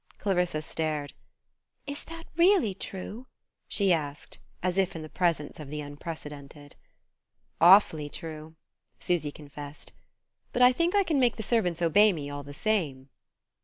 Clarissa stared. "Is that really true?" she asked, as if in the presence of the unprecedented. "Awfully true," Susy confessed. "But I think I can make the servants obey me all the same."